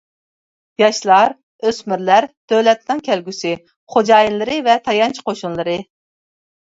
ياشلار، ئۆسمۈرلەر دۆلەتنىڭ كەلگۈسى خوجايىنلىرى ۋە تايانچ قوشۇنلىرى.